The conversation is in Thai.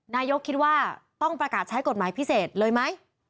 นายกคิดว่าต้องประกาศใช้กฎหมายพิเศษเลยไหม